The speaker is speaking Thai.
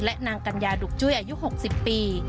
และนางกัญญาดุกจุ้ยอายุ๖๐ปี